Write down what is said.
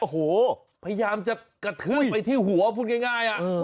โอ้โหพยายามจะกระทืบไปที่หัวพูดง่าย